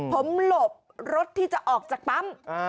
ผมหลบรถที่จะออกจากปั๊ม